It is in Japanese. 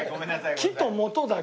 「木」と「本」だけ。